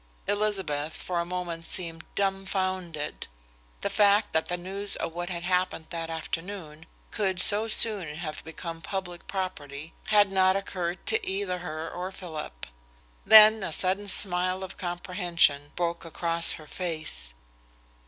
Elizabeth for a moment seemed dumbfounded. The fact that the news of what had happened that afternoon could so soon have become public property had not occurred to either her or Philip. Then a sudden smile of comprehension broke across her face.